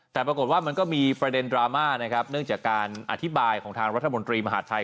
แต่ปรากฏว่ามันก็มีประเด็นดราม่านะครับเนื่องจากการอธิบายของทางรัฐมนตรีมหาดไทย